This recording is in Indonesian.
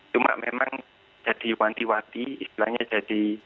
cuma memang jadi wanti wanti istilahnya jadi